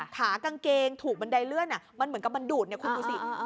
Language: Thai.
ขากางเกงถูกบันไดเลื่อนมันเหมือนกับมันดูดเนี่ยคุณดูสิ